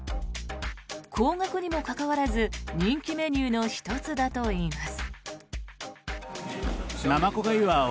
高額にもかかわらず人気メニューの１つだといいます。